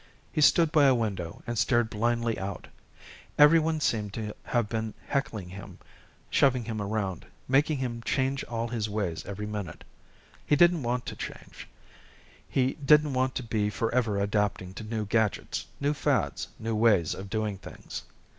He stood by a window and stared blindly out. Everyone seemed to have been heckling him, shoving him around, making him change all his ways every minute. He didn't want to change. He didn't want to be forever adapting to new gadgets, new fads, new ways of doing things.